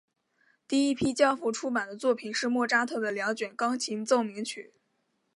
第一批交付出版的作品是莫扎特的两卷钢琴奏鸣曲。